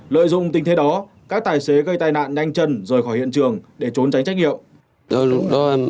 lợi dụng tình thế đó các tài xế gây tai nạn nhanh chân rời khỏi hiện trường để trốn tránh trách nhiệm